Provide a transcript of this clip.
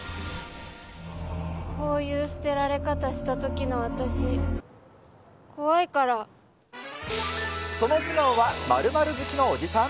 こういう捨てられ方したときその素顔は、○○好きのおじさん？